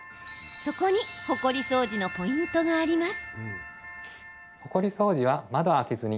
そこに、ほこり掃除のポイントがあります。